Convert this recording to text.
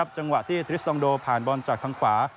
จังหวะที่ทริสตองโดผ่านบอลจากทางขวา